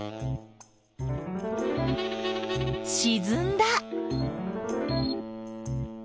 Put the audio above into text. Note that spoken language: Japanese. しずんだ。